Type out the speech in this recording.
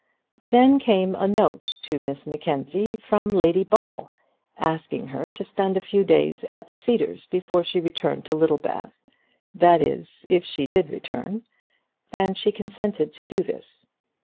Then came a note to Miss Mackenzie from Lady Ball, asking her to spend a few days at the Cedars before she returned to Littlebath, that is, if she did return, and she consented to do this.